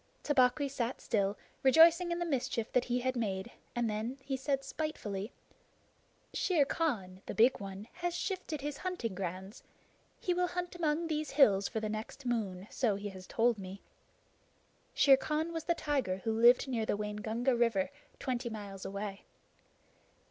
Tabaqui sat still, rejoicing in the mischief that he had made, and then he said spitefully: "Shere Khan, the Big One, has shifted his hunting grounds. He will hunt among these hills for the next moon, so he has told me." Shere Khan was the tiger who lived near the Waingunga River, twenty miles away.